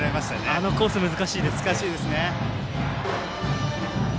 あのコースは難しいですね。